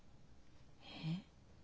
えっ？